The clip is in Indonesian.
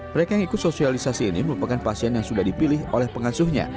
mereka yang ikut sosialisasi ini merupakan pasien yang sudah dipilih oleh pengasuhnya